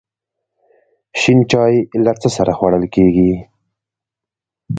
شین چای له څه سره خوړل کیږي؟